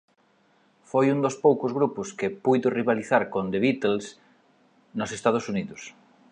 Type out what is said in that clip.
Foi un dos poucos grupos que puido rivalizar con The Beatles nos Estados Unidos.